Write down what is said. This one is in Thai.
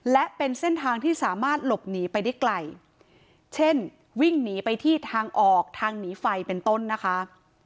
และเป็นเส้นทางที่สามารถหลบหนีไปได้ไกลเช่นวิ่งหนีไปที่ทางออกทางหนีไฟเป็นต้นนะคะ